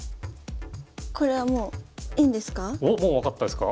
これはもういいんですか？